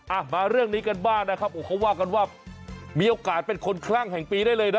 อ่ะมาเรื่องนี้กันบ้างนะครับโอ้เขาว่ากันว่ามีโอกาสเป็นคนคลั่งแห่งปีได้เลยนะ